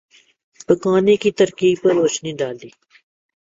پکانے کی ترکیب پر روشنی ڈالی